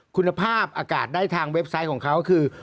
คุณภาพอากาศได้ทางเว็บไซต์ของเขาคือ